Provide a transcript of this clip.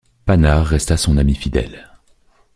Panard resta son ami fidèle.